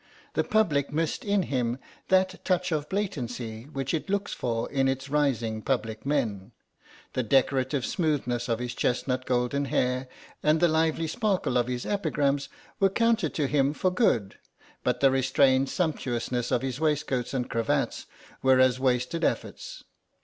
The public missed in him that touch of blatancy which it looks for in its rising public men; the decorative smoothness of his chestnut golden hair, and the lively sparkle of his epigrams were counted to him for good, but the restrained sumptuousness of his waistcoats and cravats were as wasted efforts.